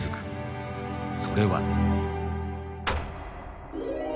それは